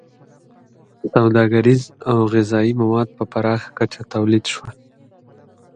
• سوداګریز او غذایي مواد په پراخه کچه تولید شول.